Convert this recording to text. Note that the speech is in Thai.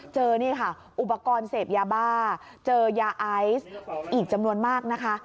เจอนี่ค่ะอุปกรณ์เสพยาบ้าเจอยาไอซ์อีกจำนวนมากนะคะ